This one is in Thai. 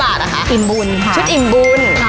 เหรอคะอิ่มบุญค่ะชุดอิ่มบุญ